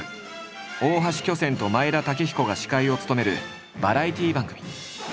大橋巨泉と前田武彦が司会を務めるバラエティ番組。